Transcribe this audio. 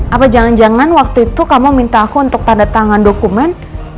apa jangan jangan waktu itu kamu minta aku untuk tanda tangan dokumen